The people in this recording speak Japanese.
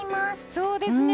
そうですね。